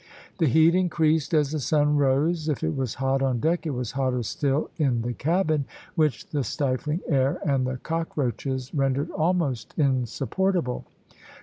The heat increased as the sun rose. If it was hot on deck it was hotter still in the cabin, which the stifling air and the cockroaches rendered almost insupportable.